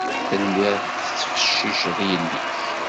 Tellid tettfecciced yelli-k.